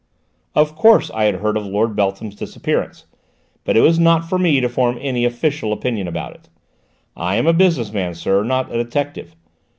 "Of course I had heard of Lord Beltham's disappearance, but it was not for me to form any official opinion about it. I am a business man, sir, not a detective.